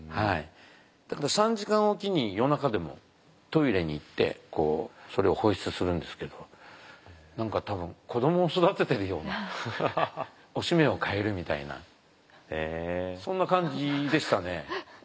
だから３時間置きに夜中でもトイレに行ってそれを放出するんですけど何か多分子どもを育ててるようなおしめを替えるみたいなそんな感じでしたね。